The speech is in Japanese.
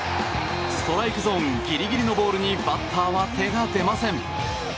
ストライクゾーンギリギリのボールにバッターは手が出ません。